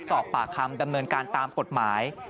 สอบปากคำดำเนินการตามกฎหมาย